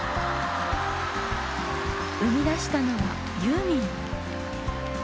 生み出したのはユーミン。